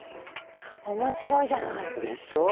面白いじゃない！でしょう？